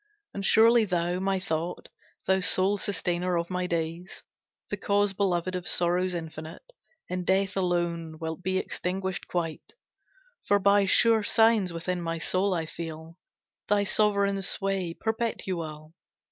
And surely thou, my thought, Thou sole sustainer of my days, The cause beloved of sorrows infinite, In Death alone wilt be extinguished quite; For by sure signs within my soul I feel Thy sovereign sway, perpetual.